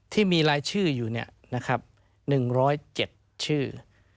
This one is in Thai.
ที่มีรายชื่ออยู่นะครับ๑๐๗ชื่อ